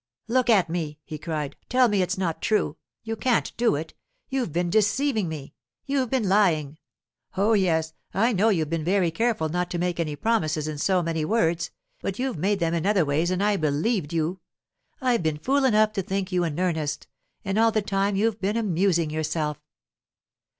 'Look at me,' he cried; 'tell me it's not true. You can't do it! You've been deceiving me. You've been lying! Oh, yes, I know you've been very careful not to make any promises in so many words, but you've made them in other ways, and I believed you. I've been fool enough to think you in earnest, and all the time you've been amusing yourself!